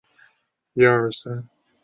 密枝猪毛菜为苋科猪毛菜属的植物。